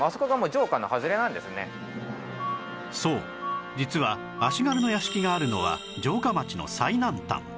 そう実は足軽の屋敷があるのは城下町の最南端